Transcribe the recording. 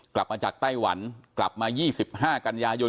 กลับมาจากไต้หวันกลับมา๒๕กันยายน